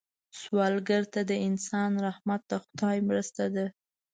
سوالګر ته د انسان رحمت د خدای مرسته ده